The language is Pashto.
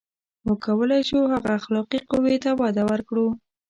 • موږ کولای شو، هغې اخلاقي قوې ته وده ورکړو.